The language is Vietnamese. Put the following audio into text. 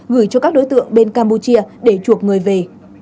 gửi cho các đối tượng bên campuchia để chuộc người về